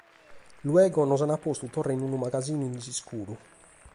Luego nos ant postu torra in unu magasinu in s’iscuru.